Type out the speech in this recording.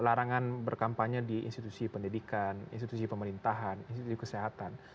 larangan berkampanye di institusi pendidikan institusi pemerintahan institusi kesehatan